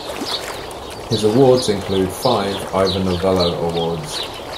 His awards include five Ivor Novello Awards.